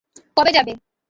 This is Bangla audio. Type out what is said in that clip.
কবে যাবে?